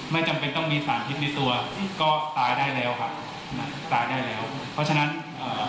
ไม่ต้องมีสารพิษในตัวก็ตายได้แล้วค่ะตายได้แล้วเพราะฉะนั้นเอ่อ